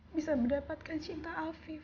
bisa mendapatkan cinta afif